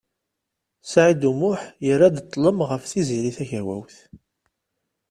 Saɛid U Muḥ yerra-d ṭlem ɣef Tiziri Tagawawt.